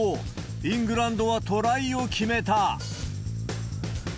イングランドはトライを決めた。